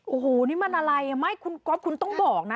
โอ้โหนี่มันอะไรไม่คุณก๊อฟคุณต้องบอกนะ